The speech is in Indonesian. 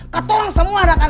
kata orang semua adek adeknya